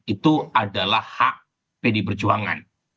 itu adalah hak pdi perjuangan